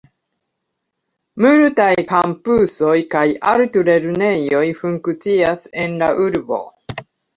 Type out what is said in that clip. Multaj kampusoj kaj altlernejoj funkcias en la urbo.